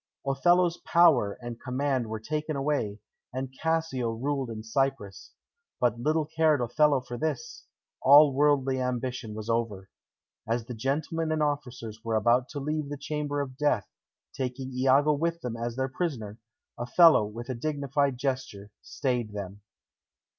Othello's power and command were taken away, and Cassio ruled in Cyprus. But little cared Othello for this; all worldly ambition was over. As the gentlemen and officers were about to leave the chamber of death, taking Iago with them as their prisoner, Othello, with a dignified gesture, stayed them.